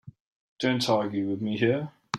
Don't argue with me here.